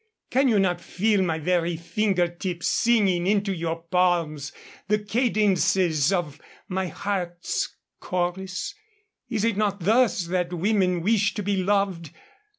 Can you not feel my very finger tips singing into your palms the cadences of my heart's chorus? Is it not thus that women wish to be loved?